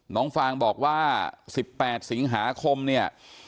ฟางบอกว่า๑๘สิงหาคมเนี่ย